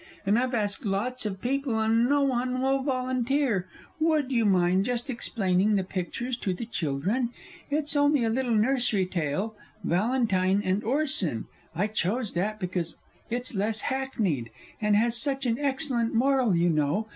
And I've asked lots of people, and no one will volunteer. Would you mind just explaining the pictures to the children? It's only a little Nursery tale Valentine and Orson I chose that, because it's less hackneyed, and has such an excellent moral, you know.